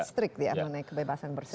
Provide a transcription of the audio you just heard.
strik di anonnya kebebasan berseninya